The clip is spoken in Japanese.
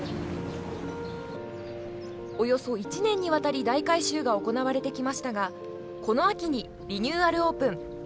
およそ１年に渡り大改修が行われてきましたがこの秋にリニューアルオープン。